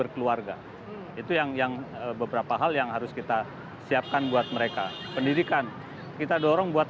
keluarga itu yang yang beberapa hal yang harus kita siapkan buat mereka pendidikan kita dorong buat